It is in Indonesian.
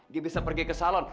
dia bisa pergi ke salon